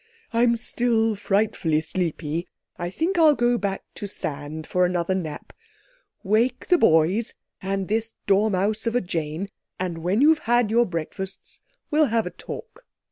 I'm still frightfully sleepy, I think I'll go back to sand for another nap. Wake the boys and this dormouse of a Jane, and when you've had your breakfasts we'll have a talk."